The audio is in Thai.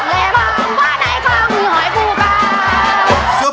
วะในคล่ามือหอยปูกล้า